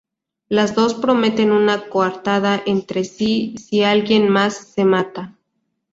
Las dos prometen una coartada entre sí si alguien más se mata.